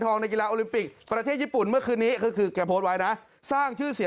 โหให้เยอะขนาดนี้